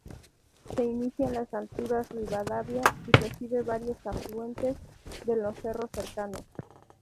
Se inicia en las Alturas Rivadavia y recibe varios afluentes de los cerros cercanos.